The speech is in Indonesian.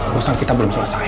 rusak kita belum selesai